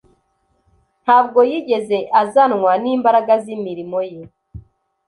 Ntabwo yigeze azanwa n'imbaraga z'imirimo ye